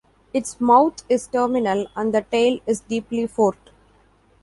Its mouth is terminal and the tail is deeply forked.